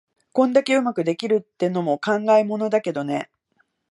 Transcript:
こんだけ上手くできるってのも考えものだけどね。